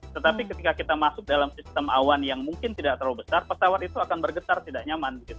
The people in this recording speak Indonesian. tetapi ketika kita masuk dalam sistem awan yang mungkin tidak terlalu besar pesawat itu akan bergetar tidak nyaman